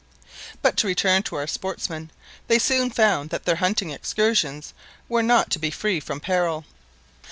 But to return to our sportsmen; they soon found that their hunting excursions were not to be free from peril.